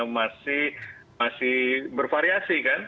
masih masih bervariasi kan